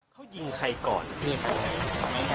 ถ้าผู้ชมเห็นภาพปืนเนี่ยล่ะครับ